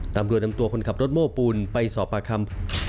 ตำรวจนำตัวคนขับรถโม้ปูนไปสอบปากคำ